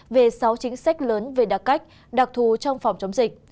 về sáu chính sách lớn về đặc cách đặc thù trong phòng chống dịch